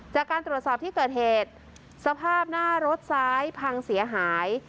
จากการตรวจสอบที่เกิดเหตุสภาพหน้ารถซ้ายพังเสียหาย